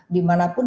di mana pun